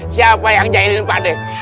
siapa yang jahilin pade